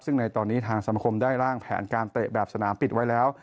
ซึ่งในตอนนี้ทางสมคมได้ร่างแผนการเตะแบบสนามปิดไว้แล้ว